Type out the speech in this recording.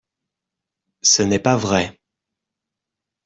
Ce n’est pas vrai.